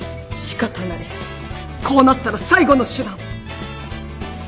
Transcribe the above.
こうなったら最後の手段。